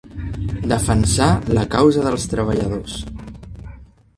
Defensar la causa dels treballadors.